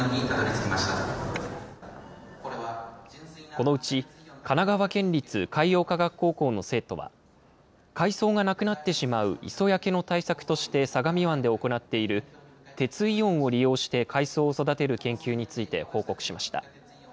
このうち、神奈川県立海洋科学高校の生徒は、海藻がなくなってしまう磯焼けの対策として相模湾で行っている、鉄イオンを利用して海藻を育てる研究について報告しました。